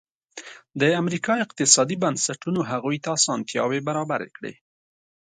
د امریکا اقتصادي بنسټونو هغوی ته اسانتیاوې برابرې کړې.